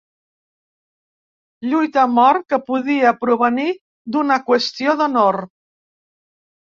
Lluita a mort que podia provenir d'una qüestió d'honor.